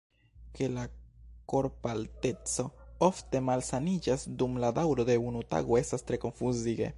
Ke la korpalteco ofte malsamiĝas dum la daŭro de unu tago estas tre konfuzige.